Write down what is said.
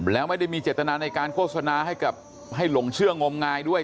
แล้วไม่ได้มีเจตนาในการโฆษณาให้กับให้หลงเชื่องมงายด้วย